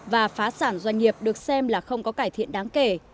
và phá sản doanh nghiệp được xem là không có cải thiện đáng kể